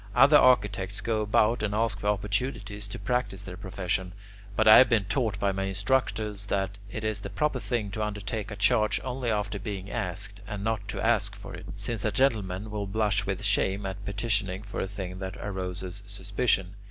Other architects go about and ask for opportunities to practise their profession; but I have been taught by my instructors that it is the proper thing to undertake a charge only after being asked, and not to ask for it; since a gentleman will blush with shame at petitioning for a thing that arouses suspicion.